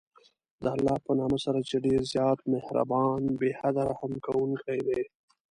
د الله په نامه سره چې ډېر زیات مهربان، بې حده رحم كوونكى دى.